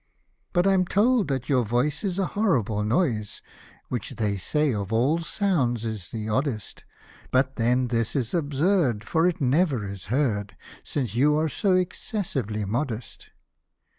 89 " But I'm told that your voice is a horrible noise, Which they say of all sounds is the oddest ; But then this is absurd, for it never is heard, Since you are so excessively modest."